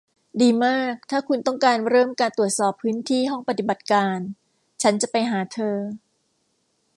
ดีมากถ้าคุณต้องการเริ่มการตรวจสอบพื้นที่ห้องปฏิบัติการฉันจะไปหาเธอ